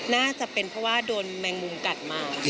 น่าจะเป็นเพราะว่าโดนแมงมุมกัดมา